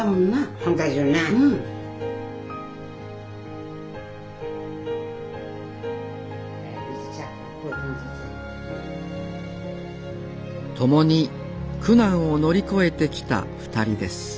共に苦難を乗り越えてきた２人です